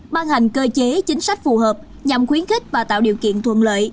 ban hành cơ chế chính sách phù hợp nhằm khuyến khích và tạo điều kiện thuận lợi